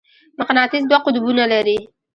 مقناطیس دوه قطبونه لري.